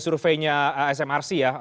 surveinya smrc ya